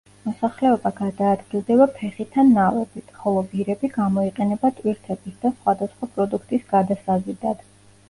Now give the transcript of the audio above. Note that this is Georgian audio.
მოსახლეობა გადაადგილდება ფეხით ან ნავებით, ხოლო ვირები გამოიყენება ტვირთების და სხვადასხვა პროდუქტის გადასაზიდად.